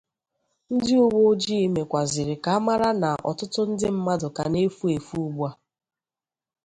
Ndị uweojii mekwazịrị ka a mara na ọtụtụ ndị mmadụ ka na-efu efu ugbua